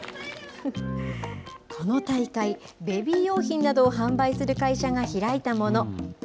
この大会、ベビー用品などを販売する会社が開いたもの。